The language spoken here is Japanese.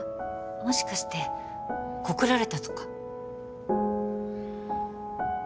もしかしてコクられたとか？